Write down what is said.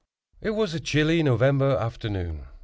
It was a chilly November afternoon.